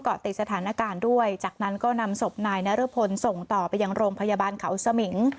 ติดสถานการณ์ด้วยจากนั้นก็นำศพนายนรพลส่งต่อไปยังโรงพยาบาลเขาสมิง